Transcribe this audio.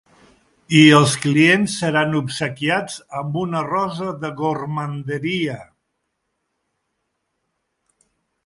I els clients seran obsequiats amb una rosa de gormanderia.